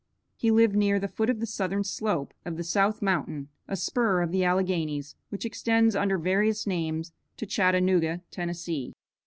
He lived near the foot of the southern slope of the South Mountain, a spur of the Alleghenies which extends, under various names, to Chattanooga, Tennessee.